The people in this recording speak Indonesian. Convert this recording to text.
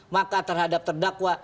maka terhadap terdakwa